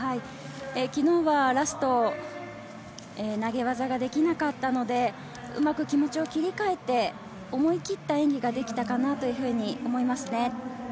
昨日はラストに投げ技ができなかったので気持ちを切り替えて思い切った演技ができたかなと思います。